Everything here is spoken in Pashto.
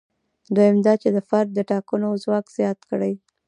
دویم دا چې د فرد د ټاکنې ځواک زیات کړي.